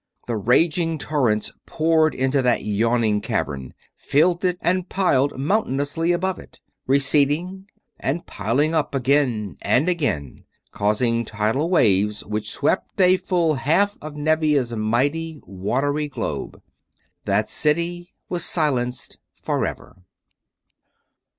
The raging torrents poured into that yawning cavern, filled it, and piled mountainously above it; receding and piling up, again and again; causing tidal waves which swept a full half of Nevia's mighty, watery globe. That city was silenced forever.